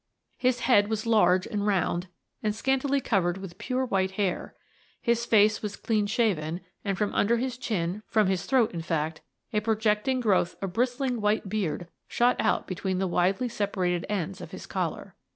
His head was large and round, and scantily covered with pure white hair; his face was clean shaven, and from under his chin, from his throat, in fact, a projecting growth of bristling white beard shot out between the widely separated ends of his collar.